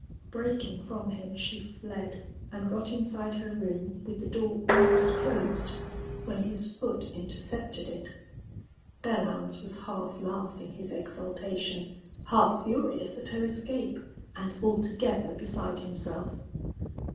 Breaking from him, she fled, and got inside her room with the door almost closed, when his foot intercepted it. Belllounds was half laughing his exultation, half furious at her escape, and altogether beside himself.